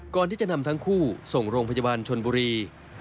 ก่อนที่จะนำทั้งคู่ส่งโรงพยาบาลชนบุรี